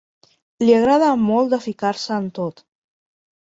Li agrada molt de ficar-se en tot.